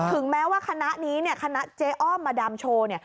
ถึงแม้ว่าคณะนี้คณะเจอ้อมาดามโชว์